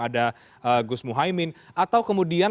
ada gus muhaymin atau kemudian